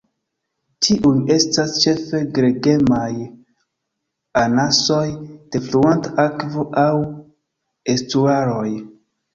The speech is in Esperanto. Tiuj estas ĉefe gregemaj anasoj de fluanta akvo aŭ estuaroj.